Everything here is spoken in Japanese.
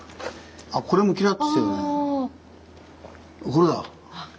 これだ。